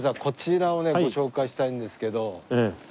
こちらをねご紹介したいんですけど。